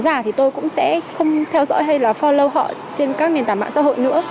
tin giả thì tôi cũng sẽ không theo dõi hay là forw họ trên các nền tảng mạng xã hội nữa